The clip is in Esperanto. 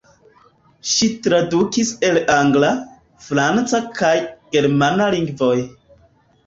Ŝi tradukis el angla, franca kaj germana lingvoj.